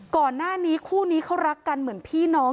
ก่อนหน้านี้คู่นี้เขารักกันเหมือนพี่น้อง